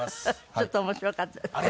ちょっと面白かった。